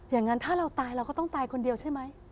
อย่างนั้นถ้าเราตายเราก็ต้องตายคนเดียวใช่ไหม